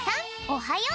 おはよう！